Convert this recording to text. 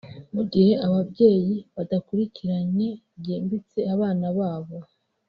Mu gihe ababyeyi badakurikiranye byimbitse abana babo